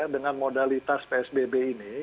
dengan modalitas psbb ini